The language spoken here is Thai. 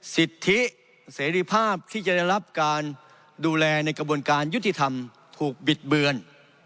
สิทธิเสรีภาพที่จะได้รับการดูแลในกระบวนการยุติธรรมถูกบิดเบือน